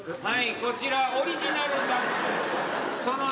はいこちらオリジナルダンス。